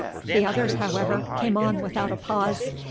The others, however, came on without a pause.